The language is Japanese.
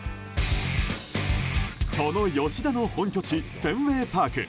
その吉田の本拠地フェンウェイパーク。